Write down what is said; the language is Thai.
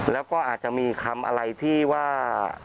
แล้วก็อาจจะมีคำอะไรที่ว่า